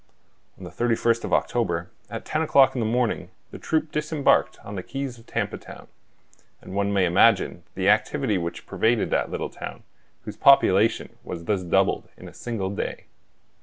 On the 31st of October, at ten o'clock in the morning, the troop disembarked on the quays of Tampa Town; and one may imagine the activity which pervaded that little town, whose population was thus doubled in a single day.